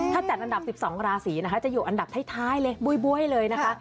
ถ้าจัดอันดับ๑๒ราศีนะคะจะอยู่อันดับท้ายเลยบ๊วยเลยนะคะ